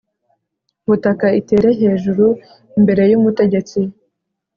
butaka, itere hejuru imbere y'umutegetsi